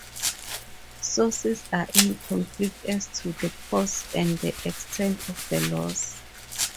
Sources are in conflict as to the cause and the extent of the loss.